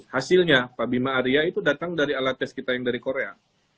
hasilnya pak bima arya itu datang dari alat tes kita yang dari korea